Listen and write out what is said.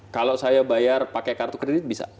kalau saya bayar pakai kartu kredit bisa